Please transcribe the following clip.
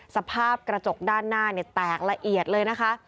สภาพกระจกด้านหน้าแตกละเอียดเลยนะคะ